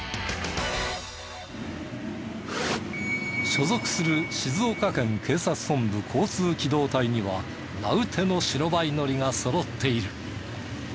所属する静岡県警察本部交通機動隊には名うての白バイ乗りがそろっている。